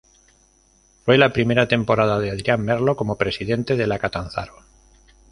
Fue la primera temporada de Adrian Merlo como presidente de la Catanzaro.